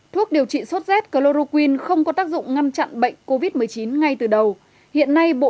thuốc điều trị sốt z chloroquin không có tác dụng ngăn chặn bệnh covid một mươi chín ngay từ đầu hiện nay bộ